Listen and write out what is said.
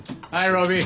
ロビー。